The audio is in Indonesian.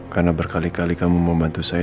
karena berkali kali kamu membantu saya